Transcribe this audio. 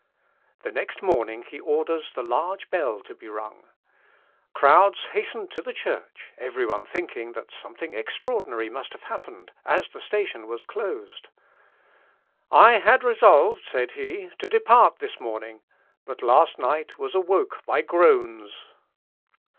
The next morning he orders the large bell to be rung. Crowds hastened to the church, every one thinking that something extraordinary must have happened, as the station was closed. "I had resolved," said he, "to depart this morning, but last night was awoke by groans.